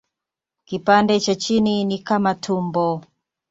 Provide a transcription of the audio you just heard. Kipande cha chini ni kama tumbo.